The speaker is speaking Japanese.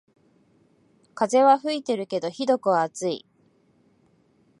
風は吹いてるけどひどく暑い